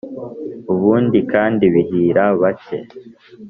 Ubundi kandi bihira bake